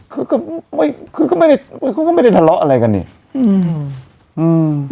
คือก็ไม่คือก็ไม่ได้เขาก็ไม่ได้ทะเลาะอะไรกันนี่อืมอืม